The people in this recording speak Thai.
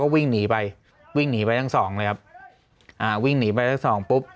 วิ่งหนีไปวิ่งหนีไปทั้งสองเลยครับอ่าวิ่งหนีไปทั้งสองปุ๊บ